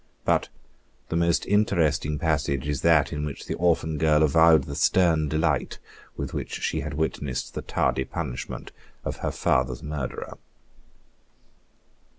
But the most interesting passage is that in which the orphan girl avowed the stern delight with which she had witnessed the tardy punishment of her father's murderer.